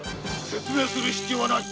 説明する必要はない！